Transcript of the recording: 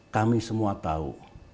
kami semua tahu